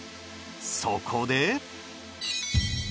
そこで。